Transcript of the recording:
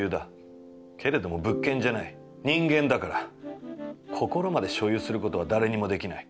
けれども物件じゃない人間だから、心まで所有する事は誰にも出来ない。